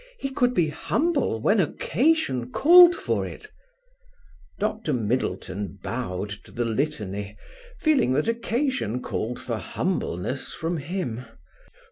He could be humble when occasion called for it." Dr Middleton bowed to the litany, feeling that occasion called for humbleness from him.